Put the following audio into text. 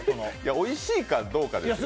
おいしいかどうかです。